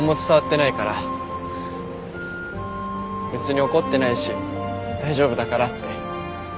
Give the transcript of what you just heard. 別に怒ってないし大丈夫だからって。